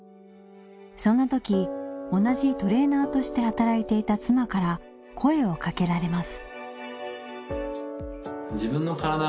そんなとき同じトレーナーとして働いていた妻から声をかけられます。